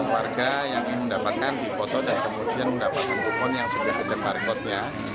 warga yang mendapatkan di foto dan kemudian mendapatkan kupon yang sudah ada barcodenya